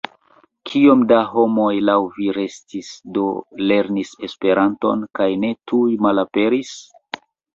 Kiom da homoj laŭ vi restis, do lernis Esperanton kaj ne tuj malaperis?